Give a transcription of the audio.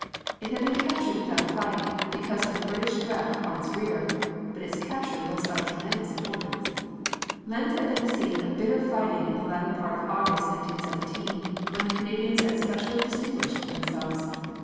It had been captured without a fight, because of the British threat upon its rear, but its capture was of tremendous importance. Lens had been the scene of bitter fighting in the latter part of August, 1917, when the Canadians had specially distinguished themselves.